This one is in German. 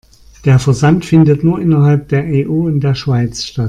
Der Versand findet nur innerhalb der EU und der Schweiz statt.